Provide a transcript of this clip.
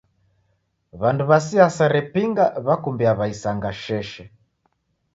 W'andu w'a siasa repinga w'akumbia w'aisanga sheshe.